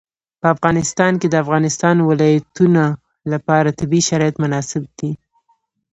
په افغانستان کې د د افغانستان ولايتونه لپاره طبیعي شرایط مناسب دي.